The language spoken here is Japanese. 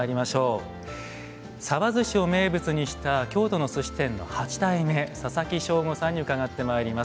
さばずしを名物にした京都の寿司店の八代目佐々木勝悟さんに伺ってまいります。